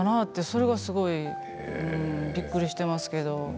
それがすごいびっくりしていますけど。